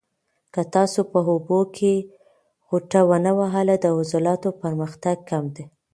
که تاسو په اوبو کې غوټه ونه وهل، د عضلاتو پرمختګ کم دی.